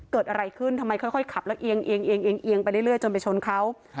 เกิดอะไรขึ้นทำไมค่อยขับแล้วเอียงเอียงไปเรื่อยจนไปชนเขา